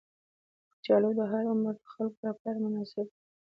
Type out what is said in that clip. کچالو د هر عمر خلکو لپاره مناسب دي